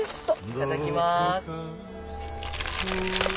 いただきます。